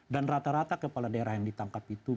dan rata rata kepala daerah yang ditangkap itu